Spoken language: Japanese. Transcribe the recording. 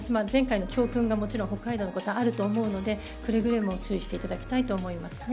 前回の教訓が、もちろん北海道の方はあると思うのでくれぐれも注意していただきたい